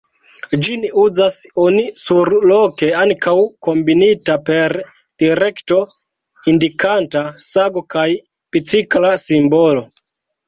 Ĝin uzas oni surloke ankaŭ kombinita per direkto-indikanta sago kaj bicikla simbolo.